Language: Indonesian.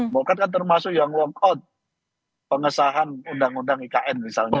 bukankah termasuk yang long out pengesahan undang undang ikn misalnya